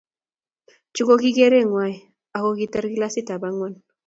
Chu koki keret ngwai akotar kilasitab angwan